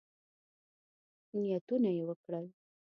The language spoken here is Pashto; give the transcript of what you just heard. نیتونه یې وکړل.